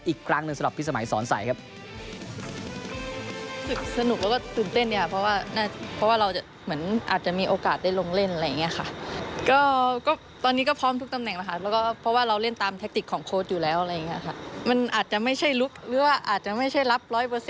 อีกครั้งหนึ่งสำหรับพิสมัยสอนใสครับ